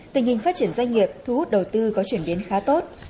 tình hình phát triển doanh nghiệp thu hút đầu tư có chuyển biến khá tốt